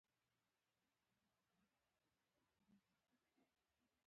علي په پوښته پوښتنه د سارې کور پیدا کړ.